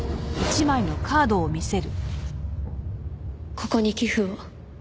ここに寄付を。